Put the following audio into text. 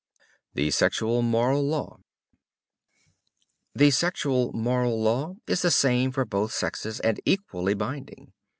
THE SEXUAL MORAL LAW The sexual moral law is the same for both sexes, and equally binding.